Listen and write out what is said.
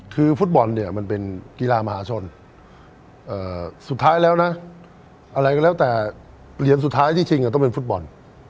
คือฟุตบอลเนี่ยมันเป็นกีฬามหาชนสุดท้ายแล้วนะอะไรก็แล้วแต่เหรียญสุดท้ายที่ชิงต้องเป็นฟุตบอล